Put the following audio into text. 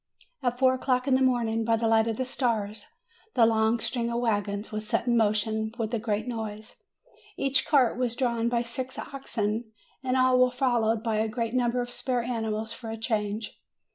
At four o'clock in the morning, by the light of the stars, the long string of wagons was set in motion with a great noise; each cart was drawn by six oxen, and all were followed by a great number of spare animals for a change.